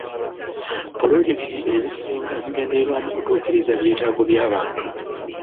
Pulojekiti ezisinga zigendereddwamu kutuukiriza byetaago by'abantu.